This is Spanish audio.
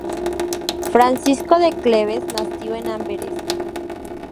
Francisco de Cleves nació en Amberes.